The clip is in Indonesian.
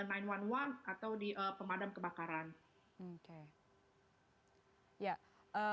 atau di pemadam kebakaran